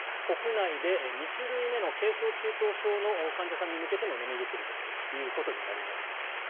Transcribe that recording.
国内で２種類目の軽症・中等症の患者さんに向けての飲み薬ということになります。